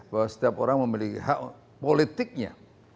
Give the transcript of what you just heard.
bahwa setiap orang memiliki hak politiknya